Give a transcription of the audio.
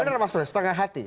bener mas setengah hati